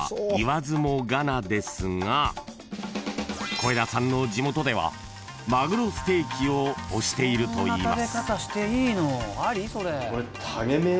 ［小枝さんの地元ではマグロステーキをおしているといいます］